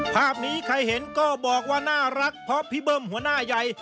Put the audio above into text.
ภาพนี้ใครเห็นก็บอกว่าน่ารักเพราะพี่เบิ้มหัวหน้าใหญ่